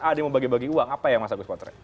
ada yang mau bagi bagi uang apa ya mas agus portret